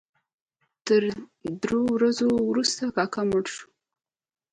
تر درو ورځو وروسته کاکا مړ شو.